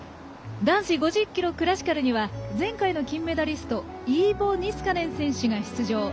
男子５０ｋｍクラシカルには前回の金メダリストイーボ・ニスカネン選手が出場。